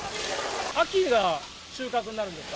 秋が収穫になるんですか？